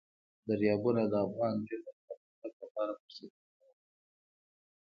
دریابونه د افغان نجونو د پرمختګ لپاره فرصتونه برابروي.